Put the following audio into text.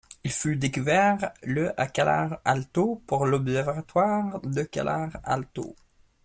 Il fut découvert le à Calar Alto par l'observatoire de Calar Alto.